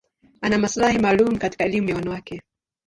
Ana maslahi maalum katika elimu ya wanawake.